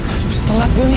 aduh setelah gue nih